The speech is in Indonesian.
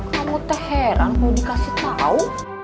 kamu teh heran kalo dikasih tau